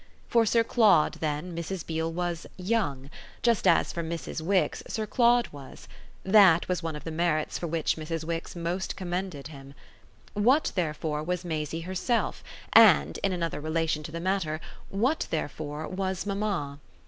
For Sir Claude then Mrs. Beale was "young," just as for Mrs. Wix Sir Claude was: that was one of the merits for which Mrs. Wix most commended him. What therefore was Maisie herself, and, in another relation to the matter, what therefore was mamma?